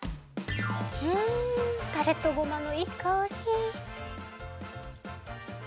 うんタレとごまのいいかおり！